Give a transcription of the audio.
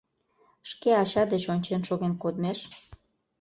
— «Шке ача деч ончен шоген кодмеш...»